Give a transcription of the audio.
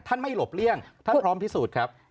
ท่านไม่หลบเลี่ยงท่านพร้อมพิสูจน์ครับ